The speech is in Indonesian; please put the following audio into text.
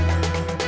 saya juga ngantuk